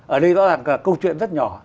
ở đây rõ ràng là câu chuyện rất nhỏ